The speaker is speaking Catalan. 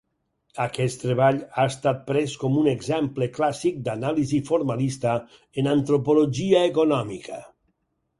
Aquest treball ha estat pres com un exemple clàssic d'anàlisi formalista en Antropologia Econòmica.